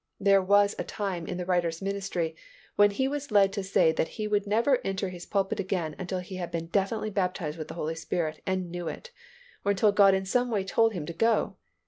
There was a time in the writer's ministry when he was led to say that he would never enter his pulpit again until he had been definitely baptized with the Holy Spirit and knew it, or until God in some way told him to go.